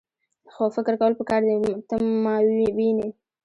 خو فکر کول پکار دي . ته ماوینې؟